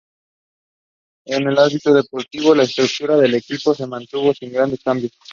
En el ámbito deportivo, la estructura del equipo se mantuvo sin grandes cambios.